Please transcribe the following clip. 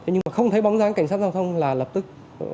nhưng mà không thấy bóng dán cảnh sát giao thông là lập tức